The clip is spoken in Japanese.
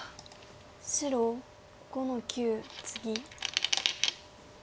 白５の九ツギ。